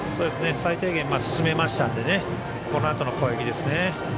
最低限、進めましたのでこのあとの攻撃ですね。